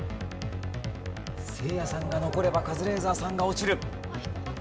せいやさんが残ればカズレーザーさんが落ちる。